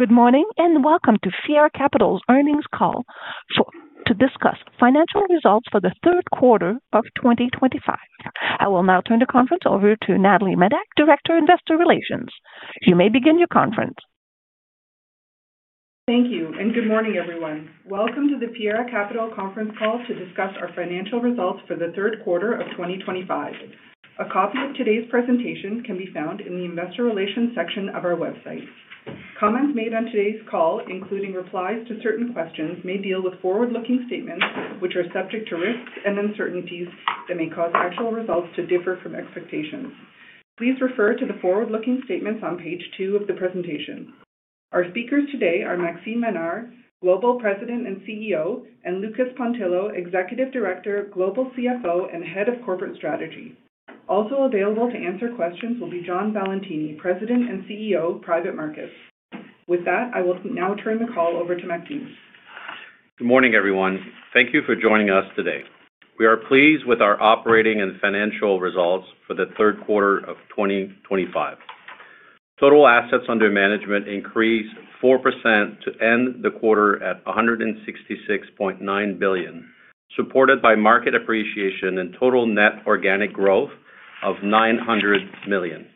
Good morning and welcome to Fiera Capital's earnings call to discuss financial results for the third quarter of 2025. I will now turn the conference over to Natalie Medak, Director of Investor Relations. You may begin your conference. Thank you and good morning, everyone. Welcome to the Fiera Capital conference call to discuss our financial results for the third quarter of 2025. A copy of today's presentation can be found in the Investor Relations section of our website. Comments made on today's call, including replies to certain questions, may deal with forward-looking statements which are subject to risks and uncertainties that may cause actual results to differ from expectations. Please refer to the forward-looking statements on page two of the presentation. Our speakers today are Maxime Ménard, Global President and CEO, and Lucas Pontillo, Executive Director, Global CFO, and Head of Corporate Strategy. Also available to answer questions will be John Valentini, President and CEO, Private Markets. With that, I will now turn the call over to Maxime. Good morning, everyone. Thank you for joining us today. We are pleased with our operating and financial results for the third quarter of 2025. Total assets under management increased 4% to end the quarter at 166.9 billion, supported by market appreciation and total net organic growth of 900 million.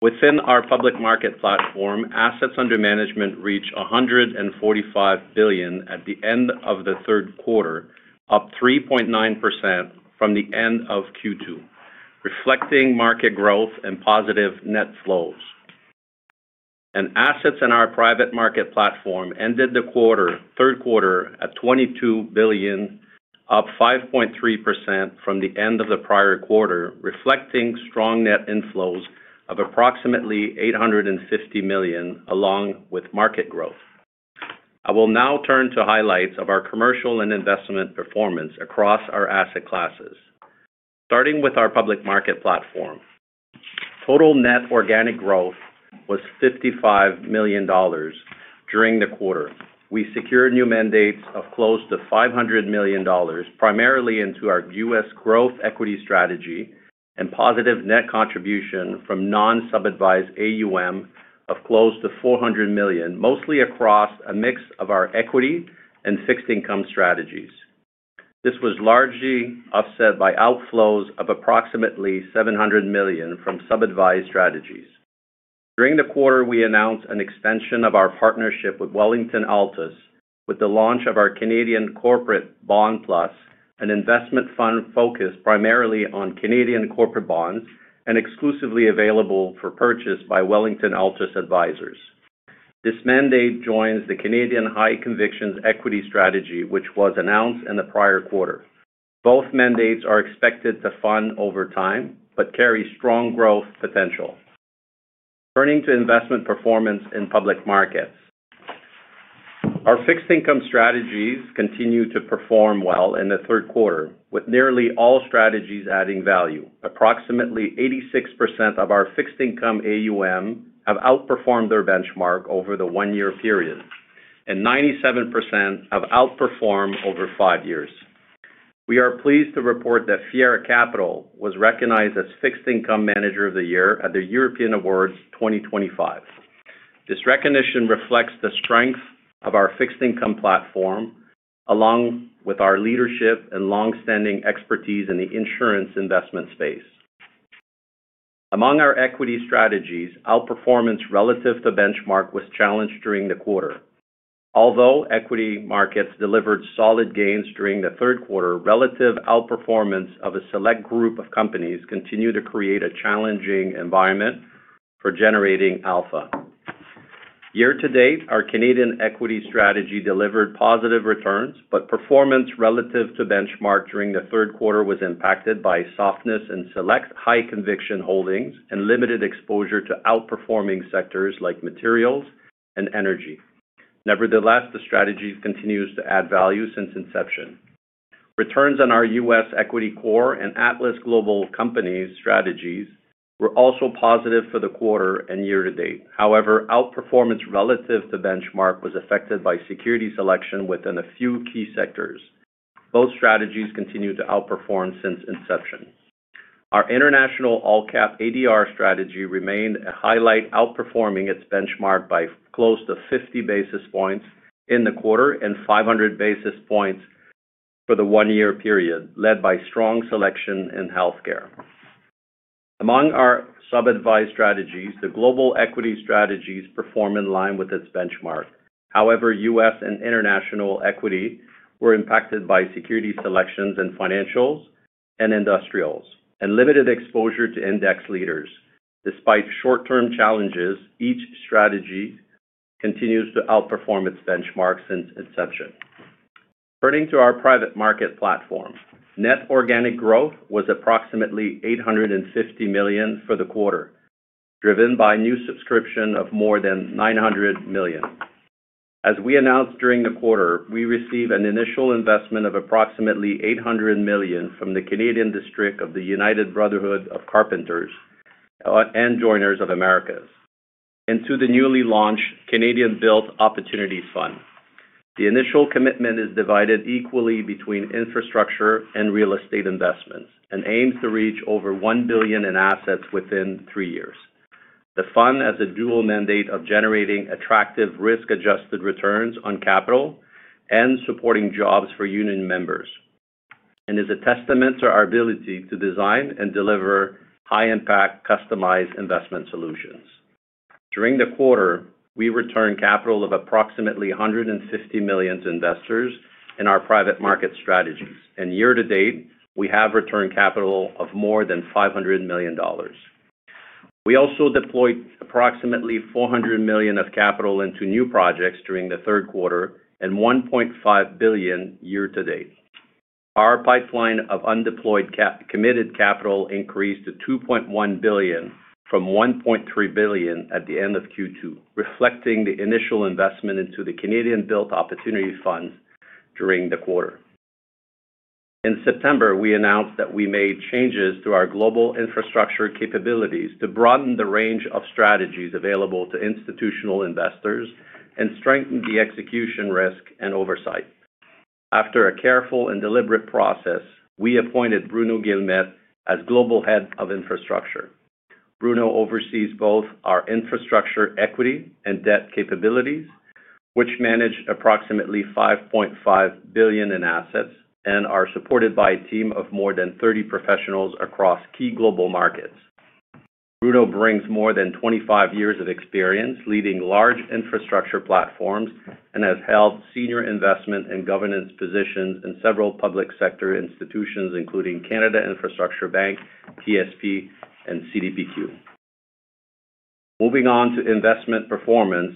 Within our public market platform, assets under management reached 145 billion at the end of the third quarter, up 3.9% from the end of Q2, reflecting market growth and positive net flows. Assets in our private market platform ended the third quarter at 22 billion, up 5.3% from the end of the prior quarter, reflecting strong net inflows of approximately 850 million, along with market growth. I will now turn to highlights of our commercial and investment performance across our asset classes. Starting with our public market platform, total net organic growth was 55 million dollars during the quarter. We secured new mandates of close to $500 million, primarily into our U.S. growth equity strategy and positive net contribution from non-subadvised AUM of close to $400 million, mostly across a mix of our equity and fixed income strategies. This was largely offset by outflows of approximately $700 million from subadvised strategies. During the quarter, we announced an extension of our partnership with Wellington Altus, with the launch of our Canadian Corporate Bond Plus, an investment fund focused primarily on Canadian corporate bonds and exclusively available for purchase by Wellington Altus Advisors. This mandate joins the Canadian High Convictions Equity Strategy, which was announced in the prior quarter. Both mandates are expected to fund over time but carry strong growth potential. Turning to investment performance in public markets, our fixed income strategies continue to perform well in the third quarter, with nearly all strategies adding value. Approximately 86% of our fixed income AUM have outperformed their benchmark over the one-year period, and 97% have outperformed over five years. We are pleased to report that Fiera Capital was recognized as Fixed Income Manager of the Year at the European Awards 2025. This recognition reflects the strength of our fixed income platform, along with our leadership and long-standing expertise in the insurance investment space. Among our equity strategies, outperformance relative to benchmark was challenged during the quarter. Although equity markets delivered solid gains during the third quarter, relative outperformance of a select group of companies continued to create a challenging environment for generating alpha. Year to date, our Canadian equity strategy delivered positive returns, but performance relative to benchmark during the third quarter was impacted by softness in select high-conviction holdings and limited exposure to outperforming sectors like materials and energy. Nevertheless, the strategy continues to add value since inception. Returns on our U.S. equity core and Atlas Global Companies strategies were also positive for the quarter and year to date. However, outperformance relative to benchmark was affected by security selection within a few key sectors. Both strategies continue to outperform since inception. Our international all-cap ADR strategy remained a highlight, outperforming its benchmark by close to 50 basis points in the quarter and 500 basis points for the one-year period, led by strong selection in healthcare. Among our subadvised strategies, the global equity strategies perform in line with its benchmark. However, U.S. and international equity were impacted by security selections in financials and industrials and limited exposure to index leaders. Despite short-term challenges, each strategy continues to outperform its benchmark since inception. Turning to our private market platform, net organic growth was approximately 850 million for the quarter, driven by new subscription of more than 900 million. As we announced during the quarter, we received an initial investment of approximately 800 million from the Canadian District of the United Brotherhood of Carpenters and Joiners of America into the newly launched Canadian Built Opportunity Fund. The initial commitment is divided equally between infrastructure and real estate investments and aims to reach over 1 billion in assets within three years. The fund has a dual mandate of generating attractive risk-adjusted returns on capital and supporting jobs for union members and is a testament to our ability to design and deliver high-impact, customized investment solutions. During the quarter, we returned capital of approximately 150 million to investors in our private market strategies, and year to date, we have returned capital of more than 500 million dollars. We also deployed approximately $400 million of capital into new projects during the third quarter and $1.5 billion year to date. Our pipeline of undeployed committed capital increased to $2.1 billion from $1.3 billion at the end of Q2, reflecting the initial investment into the Canadian Built Opportunity Fund during the quarter. In September, we announced that we made changes to our global infrastructure capabilities to broaden the range of strategies available to institutional investors and strengthen the execution risk and oversight. After a careful and deliberate process, we appointed Bruno Guillemet as Global Head of Infrastructure. Bruno oversees both our infrastructure equity and debt capabilities, which manage approximately $5.5 billion in assets and are supported by a team of more than 30 professionals across key global markets. Bruno brings more than 25 years of experience leading large infrastructure platforms and has held senior investment and governance positions in several public sector institutions, including Canada Infrastructure Bank, TSP, and CDPQ. Moving on to investment performance,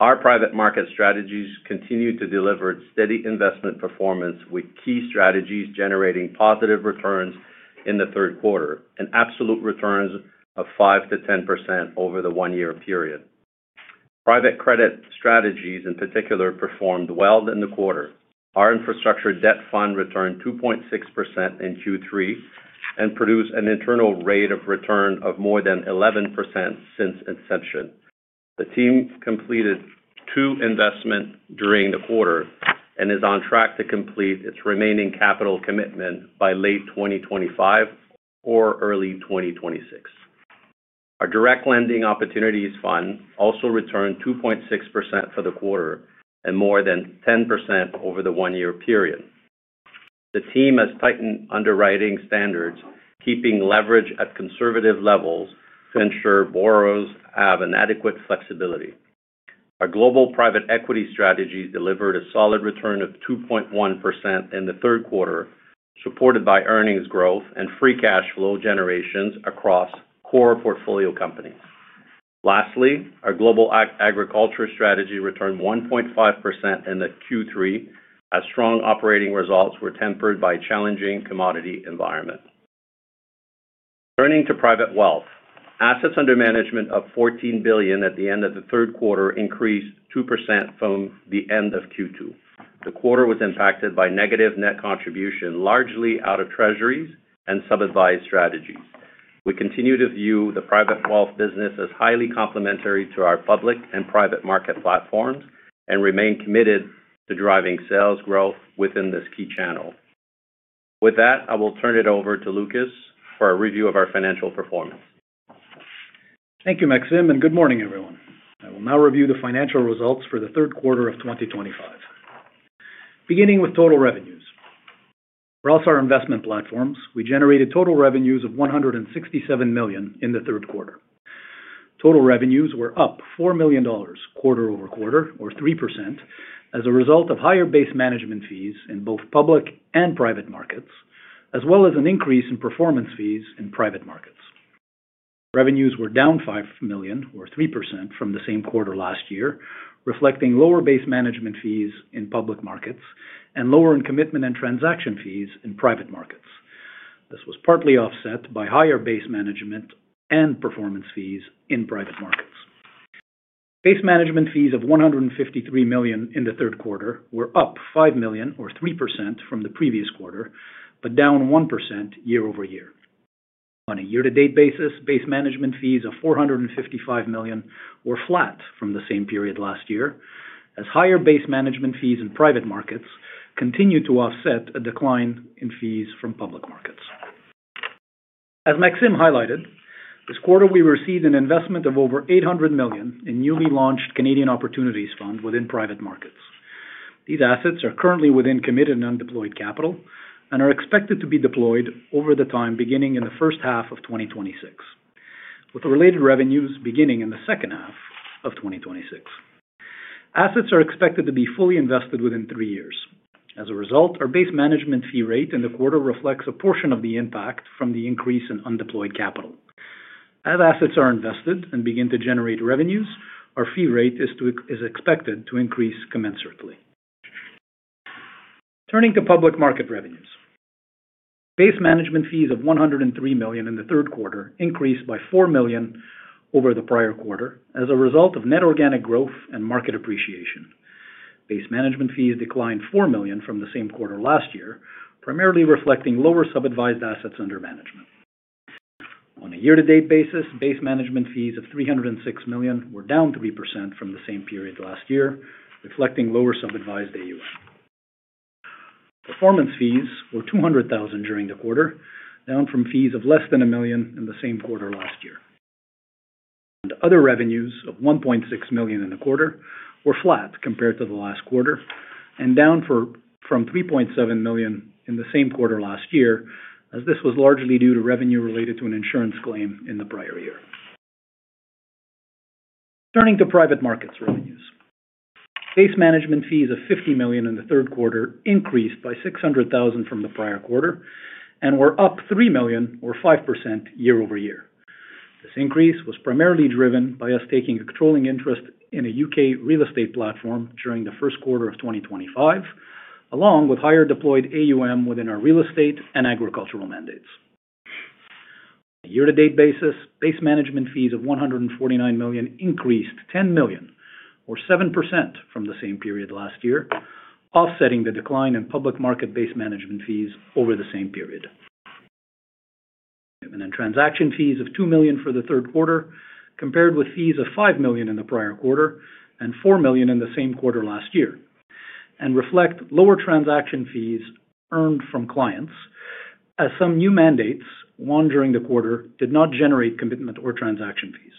our private market strategies continue to deliver steady investment performance, with key strategies generating positive returns in the third quarter and absolute returns of 5%-10% over the one-year period. Private credit strategies, in particular, performed well in the quarter. Our Infrastructure Debt Fund returned 2.6% in Q3 and produced an internal rate of return of more than 11% since inception. The team completed two investments during the quarter and is on track to complete its remaining capital commitment by late 2025 or early 2026. Our direct lending opportunities fund also returned 2.6% for the quarter and more than 10% over the one-year period. The team has tightened underwriting standards, keeping leverage at conservative levels to ensure borrowers have adequate flexibility. Our global private equity strategies delivered a solid return of 2.1% in the third quarter, supported by earnings growth and free cash flow generation across core portfolio companies. Lastly, our Global Agriculture Strategy returned 1.5% in Q3, as strong operating results were tempered by a challenging commodity environment. Turning to private wealth, assets under management of CAD 14 billion at the end of the third quarter increased 2% from the end of Q2. The quarter was impacted by negative net contribution, largely out of treasuries and subadvised strategies. We continue to view the private wealth business as highly complementary to our public and private market platforms and remain committed to driving sales growth within this key channel. With that, I will turn it over to Lucas for a review of our financial performance. Thank you, Maxime, and good morning, everyone. I will now review the financial results for the third quarter of 2025. Beginning with total revenues, across our investment platforms, we generated total revenues of 167 million in the third quarter. Total revenues were up 4 million dollars quarter over quarter, or 3%, as a result of higher base management fees in both public and private markets, as well as an increase in performance fees in private markets. Revenues were down 5 million, or 3%, from the same quarter last year, reflecting lower base management fees in public markets and lower in commitment and transaction fees in private markets. This was partly offset by higher base management and performance fees in private markets. Base management fees of 153 million in the third quarter were up 5 million, or 3%, from the previous quarter, but down 1% year-over-year. On a year-to-date basis, base management fees of 455 million were flat from the same period last year, as higher base management fees in private markets continued to offset a decline in fees from public markets. As Maxime highlighted, this quarter we received an investment of over 800 million in newly launched Canadian Built Opportunity Fund within private markets. These assets are currently within committed and undeployed capital and are expected to be deployed over the time beginning in the first half of 2026, with related revenues beginning in the second half of 2026. Assets are expected to be fully invested within three years. As a result, our base management fee rate in the quarter reflects a portion of the impact from the increase in undeployed capital. As assets are invested and begin to generate revenues, our fee rate is expected to increase commensurately. Turning to public market revenues, base management fees of 103 million in the third quarter increased by 4 million over the prior quarter as a result of net organic growth and market appreciation. Base management fees declined 4 million from the same quarter last year, primarily reflecting lower subadvised assets under management. On a year-to-date basis, base management fees of 306 million were down 3% from the same period last year, reflecting lower subadvised AUM. Performance fees were 200,000 during the quarter, down from fees of less than 1 million in the same quarter last year. Other revenues of 1.6 million in the quarter were flat compared to the last quarter and down from 3.7 million in the same quarter last year, as this was largely due to revenue related to an insurance claim in the prior year. Turning to private markets revenues, base management fees of 50 million in the third quarter increased by 600,000 from the prior quarter and were up 3 million, or 5%, year-over-year. This increase was primarily driven by us taking a controlling interest in a U.K. real estate platform during the first quarter of 2025, along with higher deployed AUM within our real estate and agricultural mandates. On a year-to-date basis, base management fees of 149 million increased 10 million, or 7%, from the same period last year, offsetting the decline in public market base management fees over the same period. Transaction fees of 2 million for the third quarter, compared with fees of 5 million in the prior quarter and 4 million in the same quarter last year, reflect lower transaction fees earned from clients, as some new mandates won during the quarter did not generate commitment or transaction fees.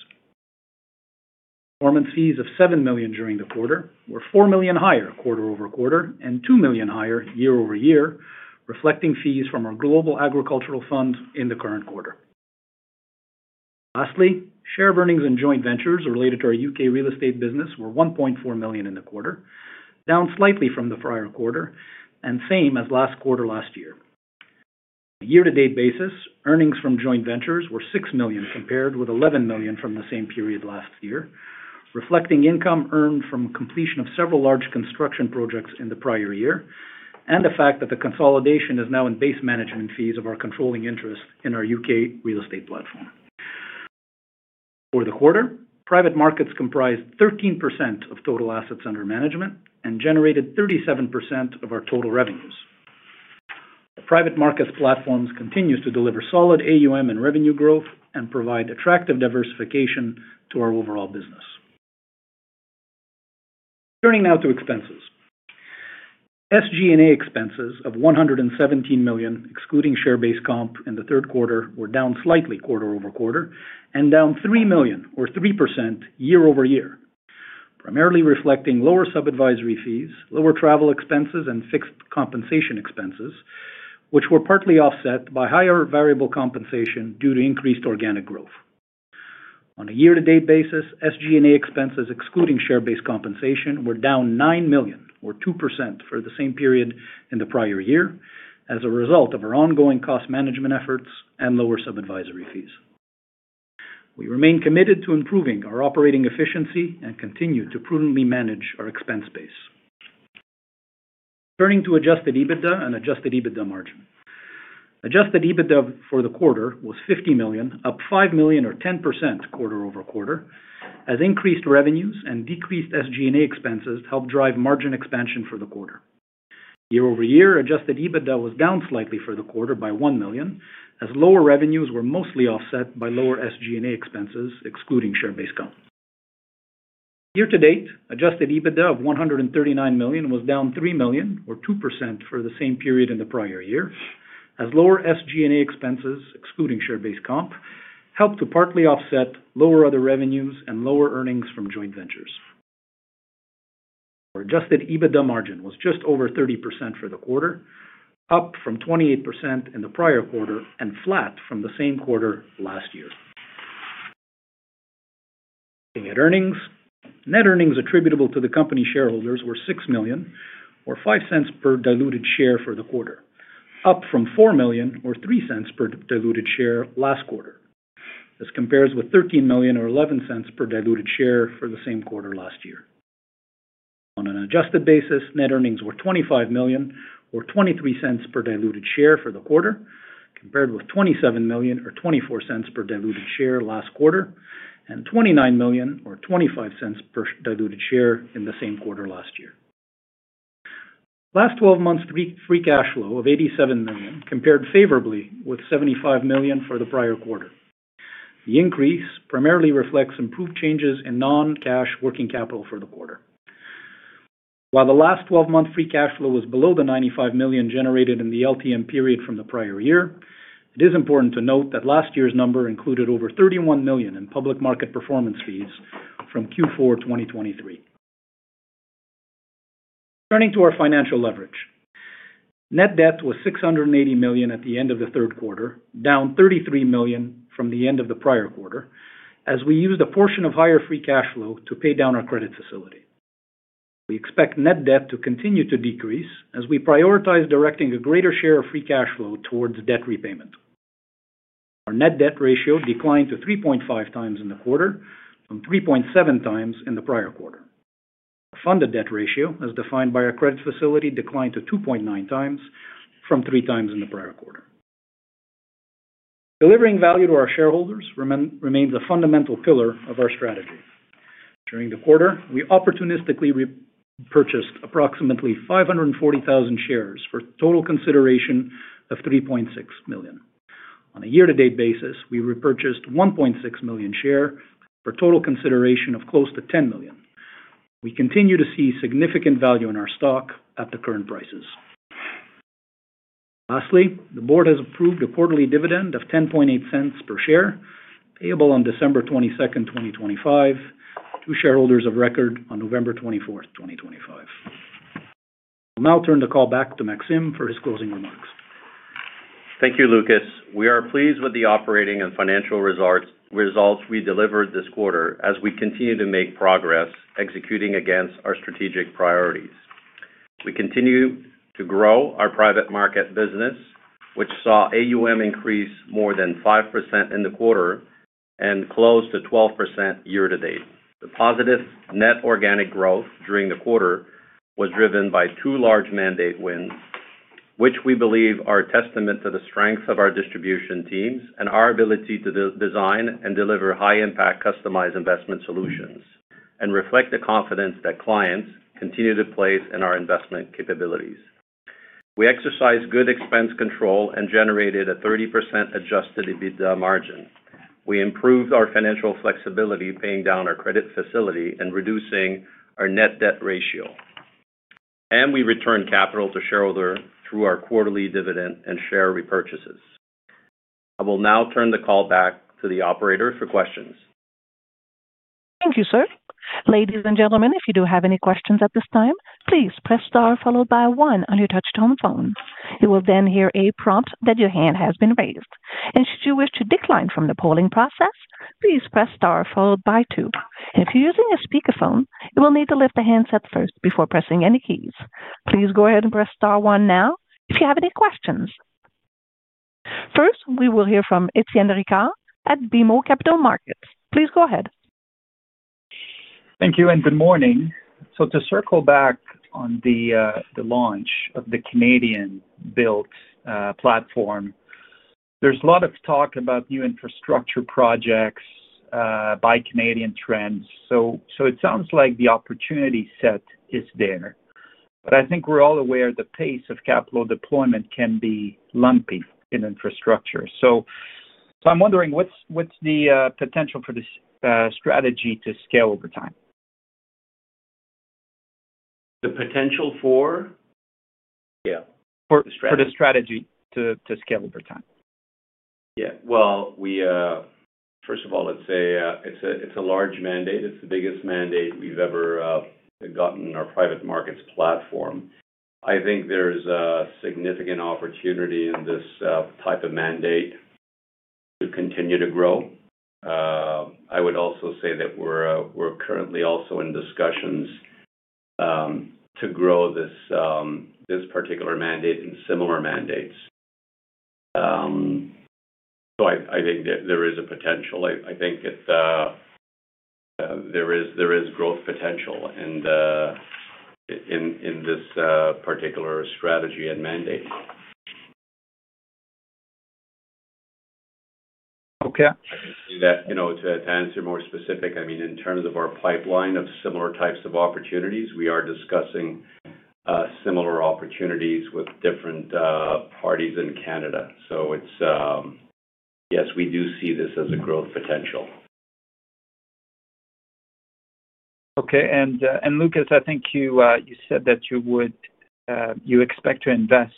Performance fees of 7 million during the quarter were 4 million higher quarter over quarter and 2 million higher year-over- year, reflecting fees from our global agricultural fund in the current quarter. Lastly, share earnings in joint ventures related to our U.K. real estate business were 1.4 million in the quarter, down slightly from the prior quarter and the same as last quarter last year. On a year-to-date basis, earnings from joint ventures were $6 million compared with $11 million from the same period last year, reflecting income earned from completion of several large construction projects in the prior year and the fact that the consolidation is now in base management fees of our controlling interest in our U.K. real estate platform. For the quarter, private markets comprised 13% of total assets under management and generated 37% of our total revenues. Private markets platforms continue to deliver solid AUM and revenue growth and provide attractive diversification to our overall business. Turning now to expenses, SG&A expenses of 117 million, excluding share-based comp in the third quarter, were down slightly quarter over quarter and down 3 million, or 3%, year-over-year, primarily reflecting lower subadvisory fees, lower travel expenses, and fixed compensation expenses, which were partly offset by higher variable compensation due to increased organic growth. On a year-to-date basis, SG&A expenses, excluding share-based compensation, were down 9 million, or 2%, for the same period in the prior year, as a result of our ongoing cost management efforts and lower subadvisory fees. We remain committed to improving our operating efficiency and continue to prudently manage our expense base. Turning to adjusted EBITDA and adjusted EBITDA margin, adjusted EBITDA for the quarter was 50 million, up 5 million, or 10%, quarter over quarter, as increased revenues and decreased SG&A expenses helped drive margin expansion for the quarter. Year-over-year, adjusted EBITDA was down slightly for the quarter by $1 million, as lower revenues were mostly offset by lower SG&A expenses, excluding share-based comp. Year-to-date, adjusted EBITDA of $139 million was down $3 million, or 2%, for the same period in the prior year, as lower SG&A expenses, excluding share-based comp, helped to partly offset lower other revenues and lower earnings from joint ventures. Our adjusted EBITDA margin was just over 30% for the quarter, up from 28% in the prior quarter and flat from the same quarter last year. Looking at earnings, net earnings attributable to the company shareholders were $6 million, or $0.05 per diluted share for the quarter, up from $4 million, or $0.03 per diluted share last quarter. This compares with $13 million, or $0.11 per diluted share for the same quarter last year. On an adjusted basis, net earnings were $25 million, or $0.23 per diluted share for the quarter, compared with $27 million, or $0.24 per diluted share last quarter, and $29 million, or $0.25 per diluted share in the same quarter last year. Last 12 months' free cash flow of $87 million compared favorably with $75 million for the prior quarter. The increase primarily reflects improved changes in non-cash working capital for the quarter. While the last 12-month free cash flow was below the $95 million generated in the LTM period from the prior year, it is important to note that last year's number included over $31 million in public market performance fees from Q4 2023. Turning to our financial leverage, net debt was 680 million at the end of the third quarter, down 33 million from the end of the prior quarter, as we used a portion of higher free cash flow to pay down our credit facility. We expect net debt to continue to decrease as we prioritize directing a greater share of free cash flow towards debt repayment. Our net debt ratio declined to 3.5 times in the quarter, from 3.7 times in the prior quarter. Our funded debt ratio, as defined by our credit facility, declined to 2.9 times, from 3 times in the prior quarter. Delivering value to our shareholders remains a fundamental pillar of our strategy. During the quarter, we opportunistically repurchased approximately 540,000 shares for a total consideration of 3.6 million. On a year-to-date basis, we repurchased 1.6 million shares for a total consideration of close to 10 million. We continue to see significant value in our stock at the current prices. Lastly, the board has approved a quarterly dividend of 0.108 per share, payable on December 22, 2025, to shareholders of record on November 24, 2025. I'll now turn the call back to Maxime for his closing remarks. Thank you, Lucas. We are pleased with the operating and financial results we delivered this quarter, as we continue to make progress executing against our strategic priorities. We continue to grow our private market business, which saw AUM increase more than 5% in the quarter and close to 12% year-to-date. The positive net organic growth during the quarter was driven by two large mandate wins, which we believe are a testament to the strength of our distribution teams and our ability to design and deliver high-impact customized investment solutions and reflect the confidence that clients continue to place in our investment capabilities. We exercised good expense control and generated a 30% adjusted EBITDA margin. We improved our financial flexibility, paying down our credit facility and reducing our net debt ratio, and we returned capital to shareholders through our quarterly dividend and share repurchases. I will now turn the call back to the operators for questions. Thank you, sir. Ladies and gentlemen, if you do have any questions at this time, please press star followed by one on your touch-tone phone. You will then hear a prompt that your hand has been raised. Should you wish to decline from the polling process, please press star followed by two. If you're using a speakerphone, you will need to lift the handset first before pressing any keys. Please go ahead and press star one now if you have any questions. First, we will hear from Etienne Ricard at BMO Capital Markets. Please go ahead. Thank you and good morning. To circle back on the launch of the Canadian Built platform, there's a lot of talk about new infrastructure projects by Canadian trends. It sounds like the opportunity set is there. I think we're all aware the pace of capital deployment can be lumpy in infrastructure. I'm wondering, what's the potential for this strategy to scale over time? The potential for? Yeah. For the strategy. For the strategy to scale over time. Yeah. First of all, it is a large mandate. It is the biggest mandate we have ever gotten in our private markets platform. I think there is a significant opportunity in this type of mandate to continue to grow. I would also say that we are currently also in discussions to grow this particular mandate and similar mandates. I think there is a potential. I think there is growth potential in this particular strategy and mandate. Okay. I can say that to answer more specifically, I mean, in terms of our pipeline of similar types of opportunities, we are discussing similar opportunities with different parties in Canada. Yes, we do see this as a growth potential. Okay. And Lucas, I think you said that you expect to invest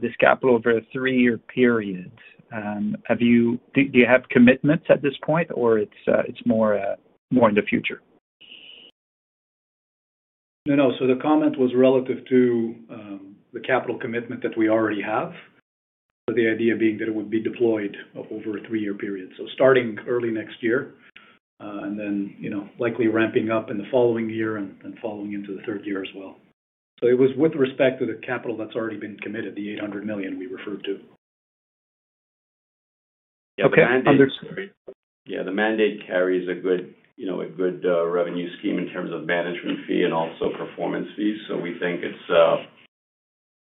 this capital over a three-year period. Do you have commitments at this point, or is it more in the future? No, no. The comment was relative to the capital commitment that we already have, with the idea being that it would be deployed over a three-year period. Starting early next year and then likely ramping up in the following year and following into the third year as well. It was with respect to the capital that has already been committed, the 800 million we referred to. Yeah. The mandate carries a good revenue scheme in terms of management fee and also performance fees. We think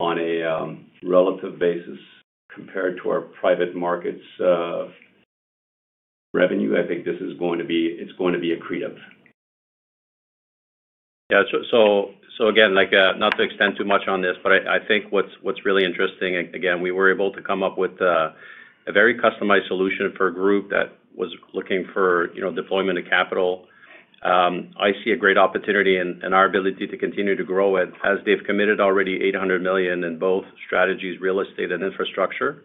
on a relative basis, compared to our private markets revenue, this is going to be accretive. Yeah. Again, not to extend too much on this, but I think what's really interesting, again, we were able to come up with a very customized solution for a group that was looking for deployment of capital. I see a great opportunity in our ability to continue to grow it, as they've committed already 800 million in both strategies, real estate and infrastructure.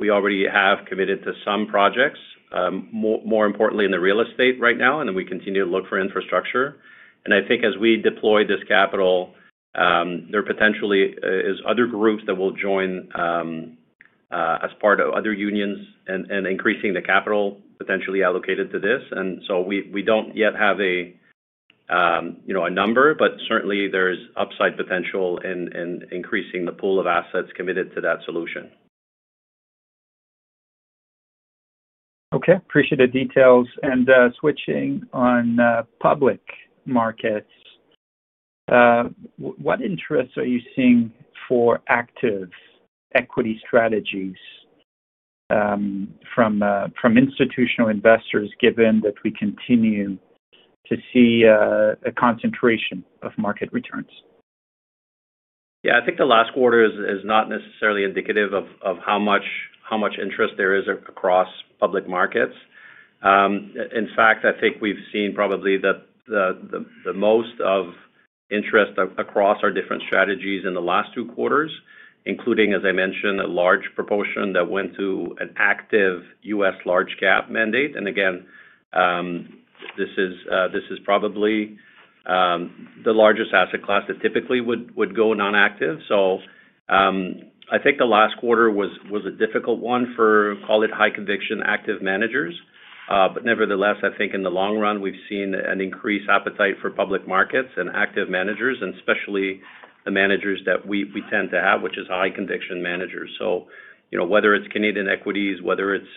We already have committed to some projects, more importantly in the real estate right now, and we continue to look for infrastructure. I think as we deploy this capital, there potentially are other groups that will join as part of other unions and increasing the capital potentially allocated to this. We do not yet have a number, but certainly there is upside potential in increasing the pool of assets committed to that solution. Okay. Appreciate the details. Switching on public markets, what interests are you seeing for active equity strategies from institutional investors, given that we continue to see a concentration of market returns? Yeah. I think the last quarter is not necessarily indicative of how much interest there is across public markets. In fact, I think we've seen probably the most of interest across our different strategies in the last two quarters, including, as I mentioned, a large proportion that went to an active U.S. large-cap mandate. Again, this is probably the largest asset class that typically would go non-active. I think the last quarter was a difficult one for, call it, high-conviction active managers. Nevertheless, I think in the long run, we've seen an increased appetite for public markets and active managers, and especially the managers that we tend to have, which is high-conviction managers. Whether it's Canadian equities, whether it's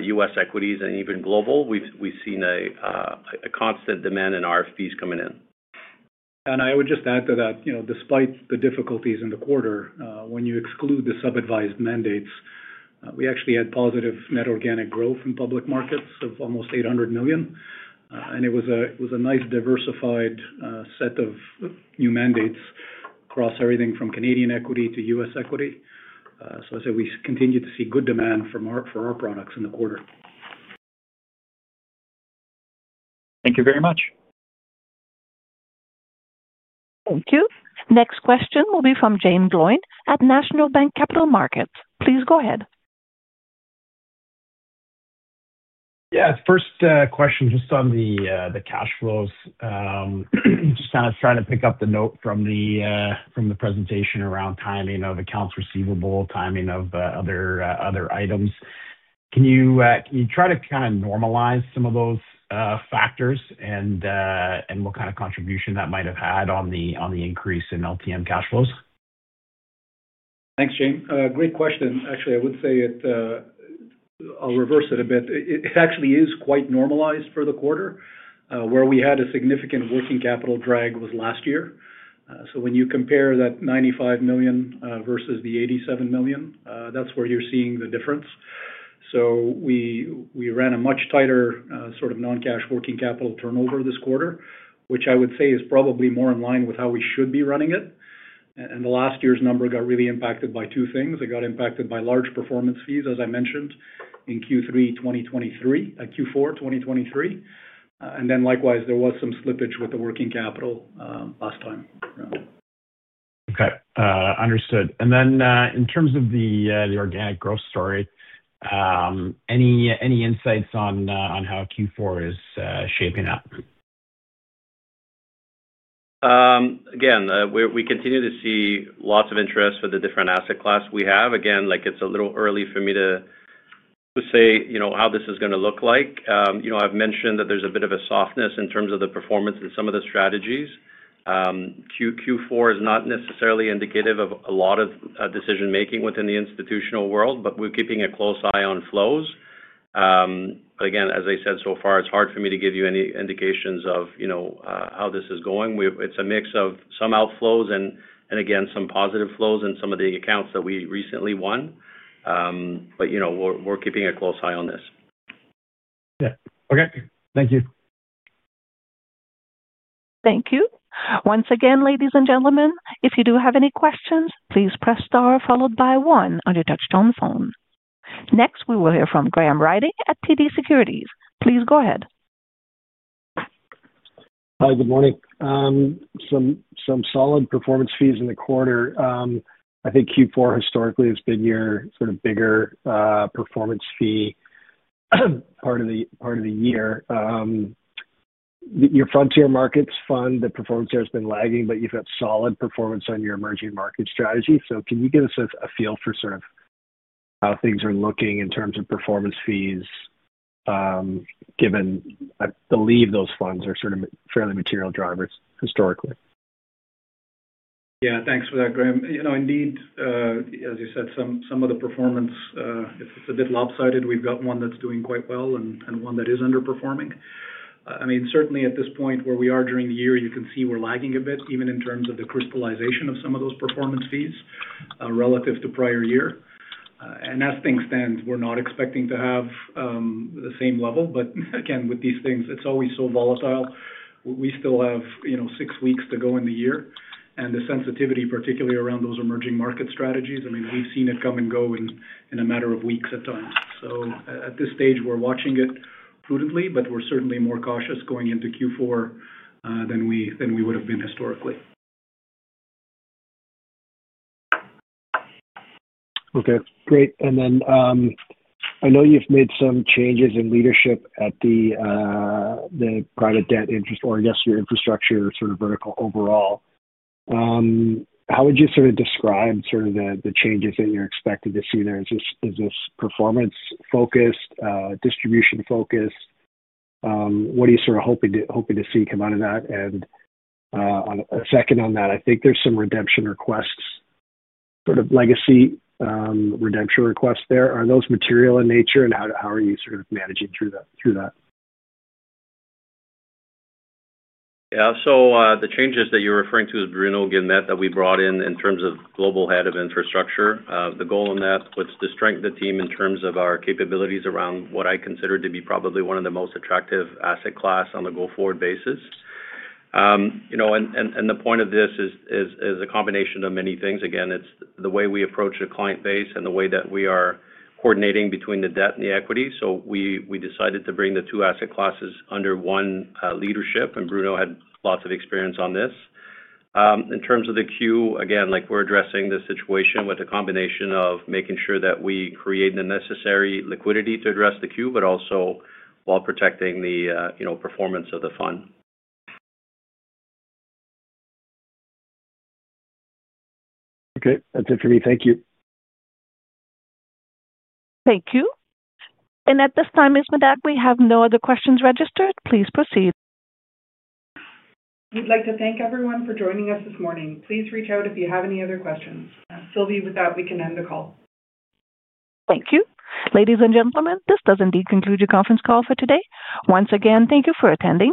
U.S. equities, and even global, we've seen a constant demand in RFPs coming in. I would just add to that, despite the difficulties in the quarter, when you exclude the subadvised mandates, we actually had positive net organic growth in public markets of almost 800 million. It was a nice diversified set of new mandates across everything from Canadian equity to U.S. equity. I say we continue to see good demand for our products in the quarter. Thank you very much. Thank you. Next question will be from James Lloyd at National Bank Capital Markets. Please go ahead. Yeah. First question, just on the cash flows. Just kind of trying to pick up the note from the presentation around timing of accounts receivable, timing of other items. Can you try to kind of normalize some of those factors and what kind of contribution that might have had on the increase in LTM cash flows? Thanks, James. Great question. Actually, I would say it—I will reverse it a bit. It actually is quite normalized for the quarter. Where we had a significant working capital drag was last year. When you compare that $95 million versus the $87 million, that is where you are seeing the difference. We ran a much tighter sort of non-cash working capital turnover this quarter, which I would say is probably more in line with how we should be running it. The last year's number got really impacted by two things. It got impacted by large performance fees, as I mentioned, in Q3 2023. Likewise, there was some slippage with the working capital last time. Okay. Understood. In terms of the organic growth story, any insights on how Q4 is shaping up? Again, we continue to see lots of interest for the different asset class we have. Again, it's a little early for me to say how this is going to look like. I've mentioned that there's a bit of a softness in terms of the performance in some of the strategies. Q4 is not necessarily indicative of a lot of decision-making within the institutional world, but we're keeping a close eye on flows. As I said so far, it's hard for me to give you any indications of how this is going. It's a mix of some outflows and, again, some positive flows in some of the accounts that we recently won. We're keeping a close eye on this. Yeah. Okay. Thank you. Thank you. Once again, ladies and gentlemen, if you do have any questions, please press star followed by one on your touch-tone phone. Next, we will hear from Graham Ryding at TD Securities. Please go ahead. Hi. Good morning. Some solid performance fees in the quarter. I think Q4 historically has been your sort of bigger performance fee part of the year. Your Frontier Markets Fund, the performance there has been lagging, but you've got solid performance on your Emerging Market Strategy. Can you give us a feel for sort of how things are looking in terms of performance fees, given I believe those funds are sort of fairly material drivers historically? Yeah. Thanks for that, Graham. Indeed, as you said, some of the performance, it's a bit lopsided. We've got one that's doing quite well and one that is underperforming. I mean, certainly at this point where we are during the year, you can see we're lagging a bit, even in terms of the crystallization of some of those performance fees relative to prior year. As things stand, we're not expecting to have the same level. Again, with these things, it's always so volatile. We still have six weeks to go in the year. The sensitivity, particularly around those emerging market strategies, I mean, we've seen it come and go in a matter of weeks at times. At this stage, we're watching it prudently, but we're certainly more cautious going into Q4 than we would have been historically. Okay. Great. I know you've made some changes in leadership at the private debt or, I guess, your infrastructure sort of vertical overall. How would you sort of describe the changes that you're expected to see there? Is this performance-focused, distribution-focused? What are you hoping to see come out of that? A second on that, I think there's some redemption requests, sort of legacy redemption requests there. Are those material in nature, and how are you managing through that? Yeah. The changes that you're referring to is Bruno Guillemet that we brought in in terms of Global Head of Infrastructure. The goal on that was to strengthen the team in terms of our capabilities around what I consider to be probably one of the most attractive asset class on the go-forward basis. The point of this is a combination of many things. Again, it's the way we approach the client base and the way that we are coordinating between the debt and the equity. We decided to bring the two asset classes under one leadership, and Bruno had lots of experience on this. In terms of the queue, again, we're addressing the situation with a combination of making sure that we create the necessary liquidity to address the queue, but also while protecting the performance of the fund. Okay. That's it for me. Thank you. Thank you. At this time, Ms. Medak, we have no other questions registered. Please proceed. We'd like to thank everyone for joining us this morning. Please reach out if you have any other questions. Sylvie, with that, we can end the call. Thank you. Ladies and gentlemen, this does indeed conclude your conference call for today. Once again, thank you for attending.